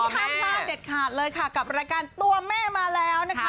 ห้ามพลาดเด็ดขาดเลยค่ะกับรายการตัวแม่มาแล้วนะคะ